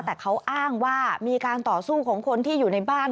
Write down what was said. แต่เขาอ้างว่ามีการต่อสู้ของคนที่อยู่ในบ้าน